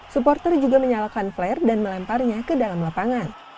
supporter juga menyalakan flare dan melemparnya ke dalam lapangan